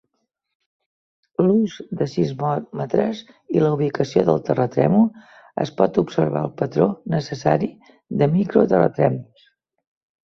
L'ús de sismòmetres i la ubicació del terratrèmol, es pot observar el patró necessari de micro-terratrèmols.